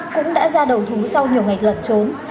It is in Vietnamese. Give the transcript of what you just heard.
cũng đã ra đầu thú sau nhiều ngày lẩn trốn